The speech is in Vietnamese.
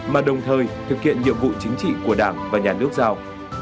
mà đồng thời thực hiện nhiệm vụ chính trị của đảng và nhà nước giao